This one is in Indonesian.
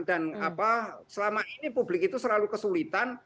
dan selama ini publik itu selalu kesulitan